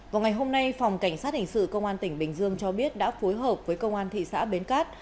vào ngày hôm nay phòng cảnh sát hình sự công an tỉnh bình dương cho biết đã phối hợp với công an thị xã bến cát